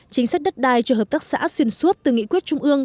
chính sách đất đai cho hợp tác xã xuyên suốt từ nghị quyết trung ương